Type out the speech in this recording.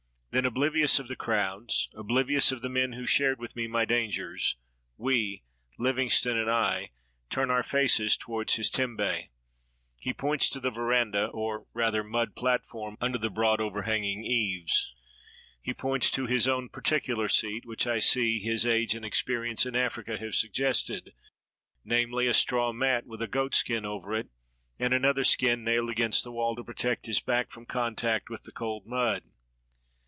Then, oblivious of the crowds, oblivious of the men who shared with me my dangers, we — Livingstone and I — turn our faces towards his temhe. He points to the veranda, or, rather, mud platform, under the broad, overhanging eaves; he points to his own particular seat, which I see his age and experience in Africa have suggested, namely, a straw mat, with a goatskin over it, and another skin nailed against the wall to protect his back from contact with the cold mud.